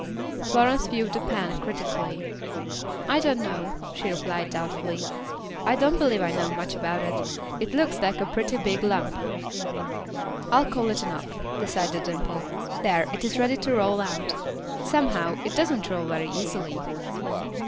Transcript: Florence viewed the pan critically. "I don't know," she replied, doubtfully. "I don't believe I know much about it; it looks like a pretty big lump." "Oh, I'll call it enough," decided Dimple. "There, it is ready to roll out. Somehow, it doesn't roll very easily."